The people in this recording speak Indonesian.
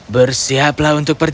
bersiaplah untuk pergi